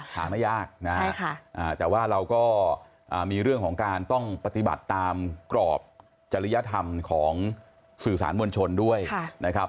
หาไม่ยากนะแต่ว่าเราก็มีเรื่องของการต้องปฏิบัติตามกรอบจริยธรรมของสื่อสารมวลชนด้วยนะครับ